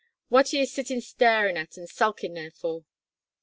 What are you sittin' starin' at an' sulkin' there for?"